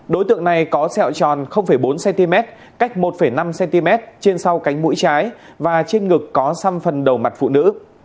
đối tượng này có sẹo tròn bốn cm cách một năm cm trên sau cánh mũi trái và trên ngực có xăm phần đầu mặt phụ nữ